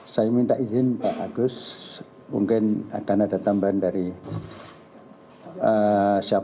saya minta izin pak agus mungkin akan ada tambahan dari siapa